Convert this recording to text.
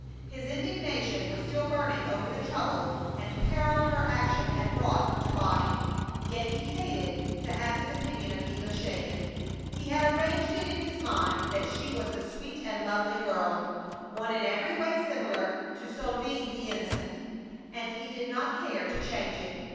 His indignation was still burning over the trouble and peril her action had brought to Bonnie. Yet he hated to have his opinion of Gila shaken. He had arranged it in his mind that she was a sweet and lovely girl, one in every way similar to Solveig the innocent, and he did not care to change it.